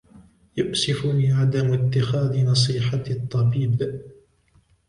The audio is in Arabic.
يؤسفُني عدم إتخاذ نصيحة الطبيب.